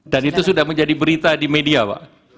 dan itu sudah menjadi berita di media pak